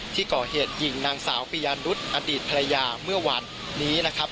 ที่เกาะเหตุหญิงนางสาวปริยานุทธ์อดีตพระยาเมื่อวันนี้นะครับ